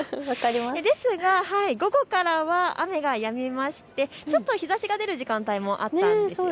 ですが午後からは雨がやみまして日ざしが出る時間帯もあったんです。